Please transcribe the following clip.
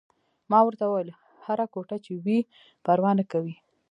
ما ورته وویل: هره کوټه چې وي، پروا نه کوي.